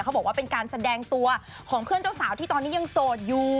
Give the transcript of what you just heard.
บอกว่าเป็นการแสดงตัวของเพื่อนเจ้าสาวที่ตอนนี้ยังโสดอยู่